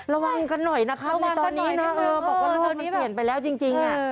ระวังกันหน่อยนะครับเออปรากฏโลกมันเปลี่ยนไปแล้วจริงอ่ะ